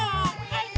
はい！